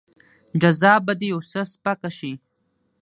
جزا به دې يو څه سپکه شي.